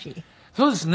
そうですね。